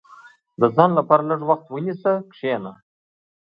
• د ځان لپاره لږ وخت ونیسه، کښېنه.